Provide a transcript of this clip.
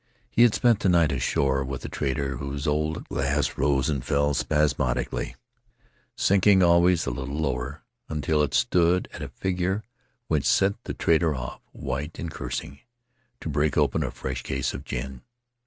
He had spent the night ashore with a trader, whose old glass rose and fell spasmodically, sinking always a little lower, until it stood at a figure which sent the trader off, white and cursing, to break open a fresh case of gin.